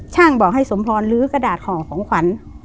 ช่างบอกให้สมพรณ์ลื้อกระดาษของขวัญ